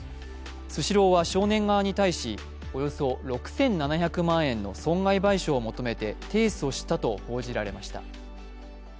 スシローは少年側に対しおよそ６７００万円の損害賠償を求めて、提訴したと報じられました。